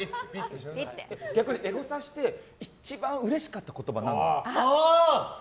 逆にエゴサして一番うれしかった言葉は何？